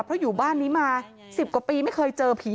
เพราะอยู่บ้านนี้มา๑๐กว่าปีไม่เคยเจอผี